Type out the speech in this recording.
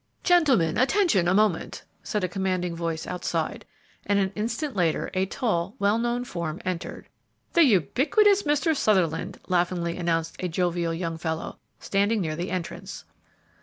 "Gentlemen, attention a moment!" said a commanding voice outside, and an instant later a tall, well known form entered. "The ubiquitous Mr. Sutherland!" laughingly announced a jovial young fellow, standing near the entrance.